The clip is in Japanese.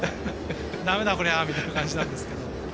だめだこりゃみたいな感じなんですけど。